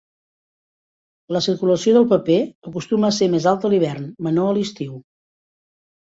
La circulació del paper acostuma a ser més alta a l'hivern, menor a l'estiu.